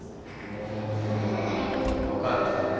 うんよかったね。